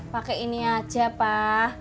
pake ini aja pak